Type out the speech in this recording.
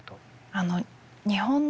あの日本の戦争